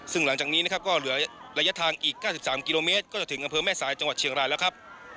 ซึ่งหลังจากนี้นะครับก็เหลือระยะทางอีก๙๓กิโลเมตรก็จะถึงอำเภอแม่สายจังหวัดเชียงรายแล้วครับ